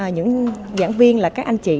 những giảng viên là các anh chị